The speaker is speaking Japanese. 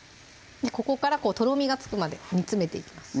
ここからとろみがつくまで煮詰めていきます